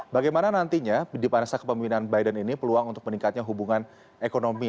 bagaimana nantinya di panas kepemimpinan biden ini peluang untuk meningkatnya hubungan ekonomi